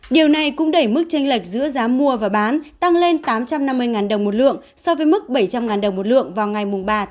điều này cũng đẩy mức tranh lệch giữa giá mua và bán tăng lên tám trăm năm mươi đồng một lượng so với mức bảy trăm linh đồng một lượng vào ngày ba một mươi hai